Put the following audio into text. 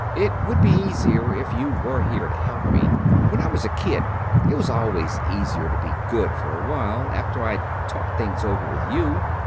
It would be easier if you were here to help me. When I was a kid it was always easier to be good for awhile after I'd talked things over with you.